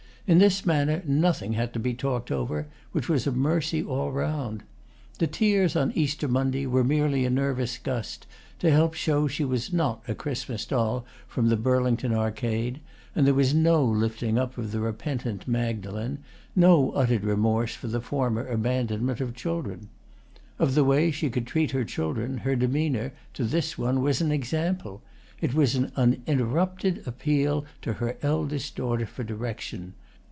In this manner nothing had to be talked over, which was a mercy all round. The tears on Easter Monday were merely a nervous gust, to help show she was not a Christmas doll from the Burlington Arcade; and there was no lifting up of the repentant Magdalen, no uttered remorse for the former abandonment of children. Of the way she could treat her children her demeanour to this one was an example; it was an uninterrupted appeal to her eldest daughter for direction.